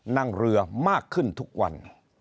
นั่งเรือมากขึ้นทุกวัน